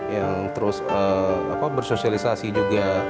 yang terus bersosialisasi juga